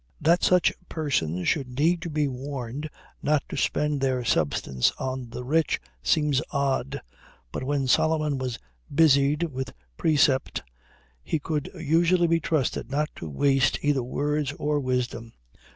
That such persons should need to be warned not to spend their substance on the rich seems odd, but when Solomon was busied with precept he could usually be trusted not to waste either words or wisdom.